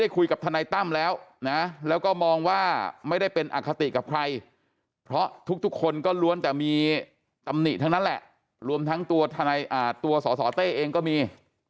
คุยกับทนายตั้มแล้วนะแล้วก็มองว่าไม่ได้เป็นอคติกับใครเพราะทุกคนก็ล้วนแต่มีตำหนิทั้งนั้นแหละรวมทั้งตัวสสเต้เองก็มี